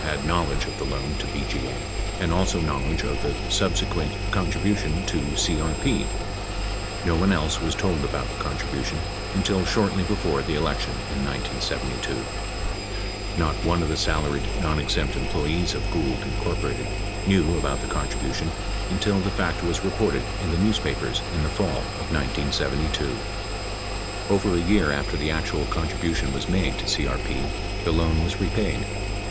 had knowl edge of the loan to BGA and also knowledge of the subsequent con tribution to CRP. No one else was told about the contribution until shortly before the election in 1972. Not one of the salaried nonexempt employees of Gould, Inc., knew about the contribution until the fact was reported in the newspapers in the fall of 1972. 553 Over a year after the actual contribution was made to CRP, the loan was repaid.